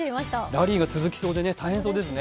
ラ・リーガ続きそうで大変そうですね。